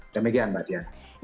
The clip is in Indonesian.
demikian mbak diana